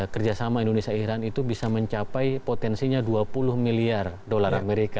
kerjasama indonesia iran itu bisa mencapai potensinya dua puluh miliar dolar amerika